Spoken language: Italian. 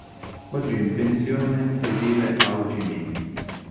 Oggi è in pensione e vive a Ho Chi Minh.